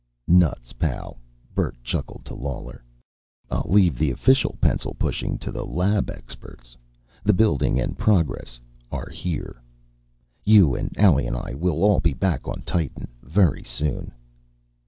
"Nuts, pal," Bert chuckled to Lawler. "I'll leave the official pencil pushing to the lab experts. The building and progress are here. You and Allie and I will all be back on Titan very soon."